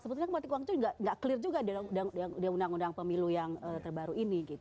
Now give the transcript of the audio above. sebetulnya politik uang itu juga nggak clear juga di undang undang pemilu yang terbaru ini